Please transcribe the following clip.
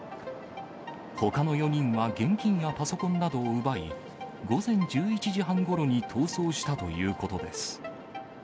ほかの４人は現金やパソコンなどを奪い、午前１１時半ごろに逃走したということです。